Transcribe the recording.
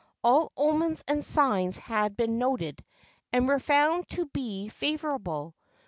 All omens and signs had been noted and were found to be favorable.